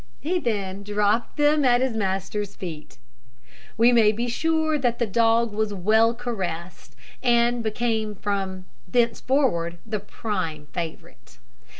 He then dropped them at his master's feet. We may be sure that the dog was well caressed, and became from thenceforward the prime favourite.